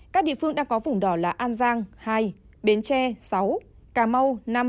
các địa phương đang có vùng đỏ là an giang hai bến tre sáu cà mau